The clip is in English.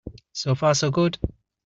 So far so good.